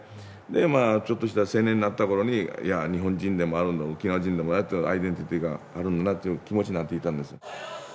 でまあちょっとした青年になったころにいや日本人でもあるんだ沖縄人でもあるってアイデンティティーがあるんだなという気持ちになっていたんですよ。